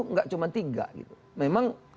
tidak cuma tiga memang